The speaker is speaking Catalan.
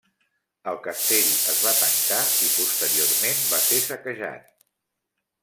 El castell es va tancar i posteriorment va ser saquejat.